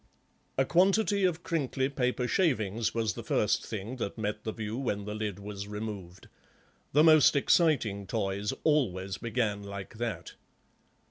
A quantity of crinkly paper shavings was the first thing that met the view when the lid was removed; the most exiting toys always began like that.